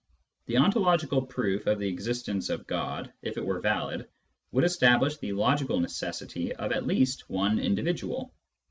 The ontological proof of the existence of God, if it were valid, would establish the logical necessity of at least one individual.